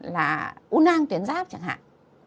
là u nang tuyến giáp chẳng hạn